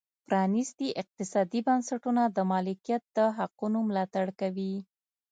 پرانیستي اقتصادي بنسټونه د مالکیت د حقونو ملاتړ کوي.